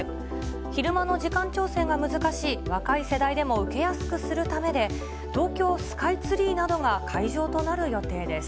昼間の時間調整が難しい若い世代でも受けやすくするためで、東京スカイツリーなどが会場となる予定です。